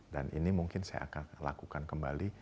dan ini mungkin saya akan lakukan kembali